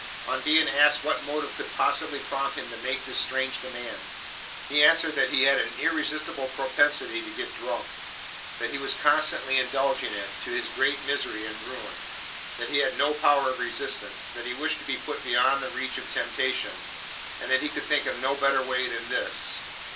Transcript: On being asked what motive could possibly prompt him to make this strange demand, he answered that he had an irresistible propensity to get drunk; that he was constantly indulging it, to his great misery and ruin; that he had no power of resistance; that he wished to be put beyond the reach of temptation; and that he could think of no better way than this.